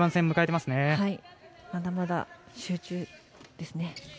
まだまだ集中ですね。